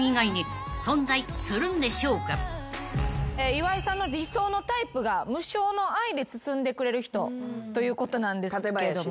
岩井さんの理想のタイプが無償の愛で包んでくれる人ということなんですけれども。